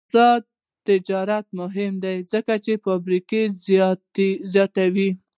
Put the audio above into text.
آزاد تجارت مهم دی ځکه چې فابریکې زیاتوي.